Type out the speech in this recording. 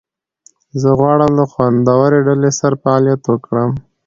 زه غواړم له خوندورې ډلې سره فعالیت وکړم.